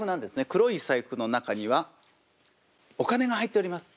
黒い財布の中にはお金が入っております。